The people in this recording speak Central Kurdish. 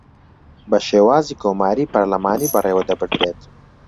بە شێوازی کۆماریی پەرلەمانی بەڕێوەدەبردرێت